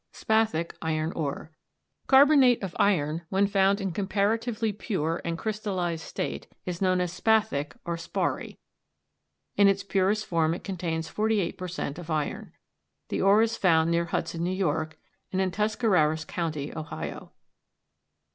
SPATHIC IRON ORE. Carbonate of iron, when found in a comparatively pure and crystallized state, is known as spathic or sparry. In its purest form it contains 48 per cent. of iron. The ore is found near Hudson, N. Y., and in Tuscarawas county, Ohio.